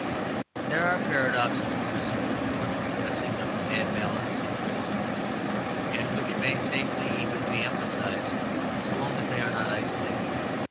There are paradoxes permissible for the redressing of a bad balance in criticism, and which may safely even be emphasized so long as they are not isolated.